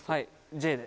Ｊで。